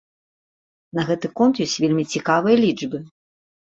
На гэты конт ёсць вельмі цікавыя лічбы.